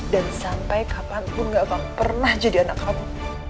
dan sampai kapanpun gak akan pernah jadi anak kamu